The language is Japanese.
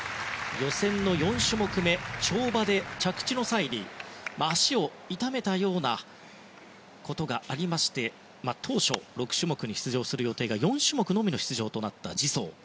予選の４種目め跳馬で着地の際に、足を痛めたようなことがありまして当初、６種目に出場する予定が４種目のみの出場となったジ・ソウ。